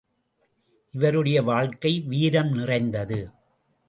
இவருடைய வாழ்க்கை வீரம் நிறைந்தது.